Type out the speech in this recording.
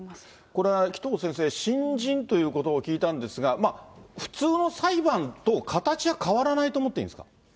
これは、紀藤先生、審尋ということを聞いたんですが、普通の裁判と形は変わらないと思っていいんですか。